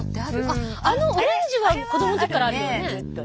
あっあのオレンジは子どものときからあるよね。